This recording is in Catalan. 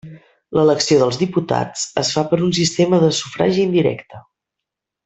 L'elecció dels diputats es fa per un sistema de sufragi indirecte.